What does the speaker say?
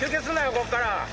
ここから。